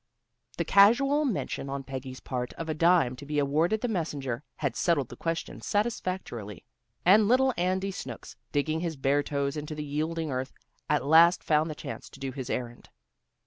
The casual mention on Peggy's part of a dime to be awarded the messenger, had settled the question satisfactorily, and little Andy Snooks, digging his bare toes into the yielding earth, at last found the chance to do his errand.